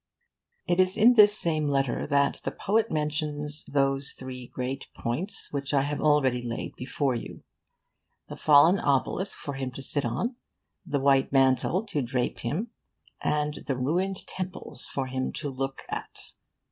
It is in this same letter that the poet mentions those three great points which I have already laid before you: the fallen obelisk for him to sit on, the white mantle to drape him, and the ruined temples for him to look at.